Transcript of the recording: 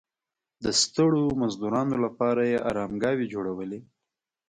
د ستړو مزدورانو لپاره یې ارامګاوې جوړولې.